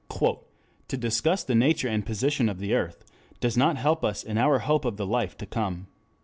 "To discuss the nature and position of the earth does not help us in our hope of the life to come.